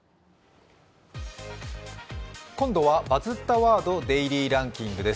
今度は「バズったワードデイリーランキング」です。